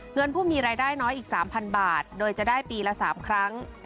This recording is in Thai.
เงินผู้มีรายได้น้อยอีก๓๐๐บาทโดยจะได้ปีละ๓ครั้ง